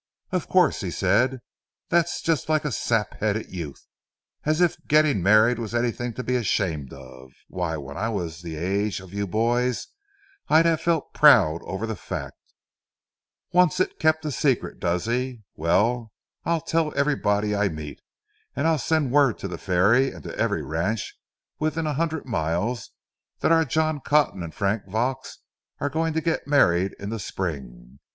"Of course," he said; "that's just like a sap headed youth, as if getting married was anything to be ashamed of. Why, when I was the age of you boys I'd have felt proud over the fact. Wants it kept a secret, does he? Well, I'll tell everybody I meet, and I'll send word to the ferry and to every ranch within a hundred miles, that our John Cotton and Frank Vaux are going to get married in the spring.